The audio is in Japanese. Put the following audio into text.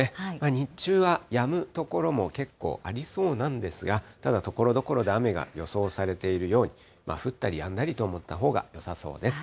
日中はやむ所も結構ありそうなんですが、ただ、ところどころで雨が予想されているように、降ったりやんだりと思ったほうがよさそうです。